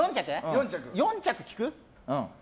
４着聞く？